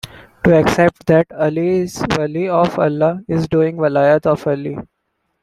To accept that Ali is Wali of Allah is doing "Walayat" of Ali.